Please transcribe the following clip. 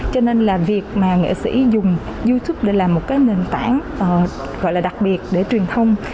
cho nên là việc mà nghệ sĩ dùng youtube để làm một cái nền tảng gọi là đặc biệt để truyền thông